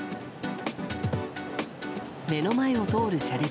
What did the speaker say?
目の前を通る車列。